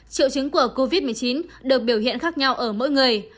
triệu chứng của covid một mươi chín được biểu hiện khác nhau ở mỗi người